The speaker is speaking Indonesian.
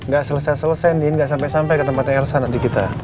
gak selesai selesainin gak sampai sampai ke tempatnya elsa nanti kita